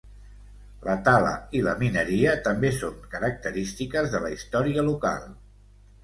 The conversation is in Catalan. La tala i la mineria també són característiques de la història local.